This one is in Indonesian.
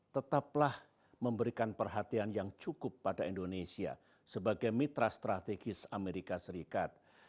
tetaplah memberikan perhatian yang cukup pada indonesia sebagai mitra strategis amerika serikat